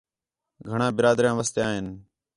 گھݨاں برادریاں وسدیاں ہِن